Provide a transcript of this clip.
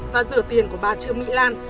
và rửa tiền của bà trương mỹ lan